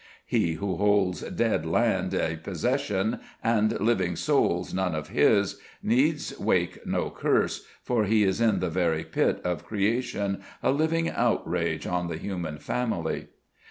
He who holds dead land a possession, and living souls none of his, needs wake no curse, for he is in the very pit of creation, a live outrage on the human family.